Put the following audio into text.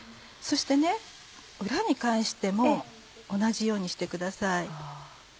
そして裏に返しても同じようにしてください。